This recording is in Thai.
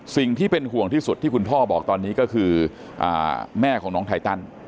สิ่งที่เป็นห่วงที่สุดที่คุณพ่อบอกตอนนี้ก็คือแม่ของน้องไทตัน